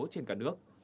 trên cả nước